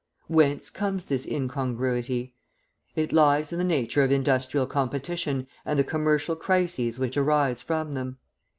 Whence comes this incongruity? It lies in the nature of industrial competition and the commercial crises which arise from them.